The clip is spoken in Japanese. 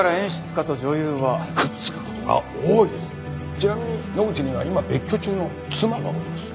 ちなみに野口には今別居中の妻がおります。